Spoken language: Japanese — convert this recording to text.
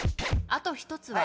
あと１つは？